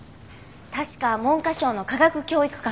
確か文科省の科学教育官。